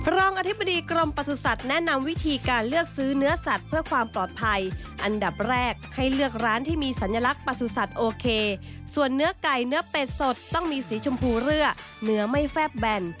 พรองอธิบดีกรมปสุศัตริย์แนะนำวิธีการเลือกซื้อเนื้อสัตว์เพื่อความปลอดภัย